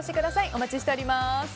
お待ちしております。